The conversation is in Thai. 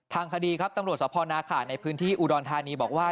ทางคดีครับตำรวจสภนาขาในพื้นที่อุดรธานีบอกว่า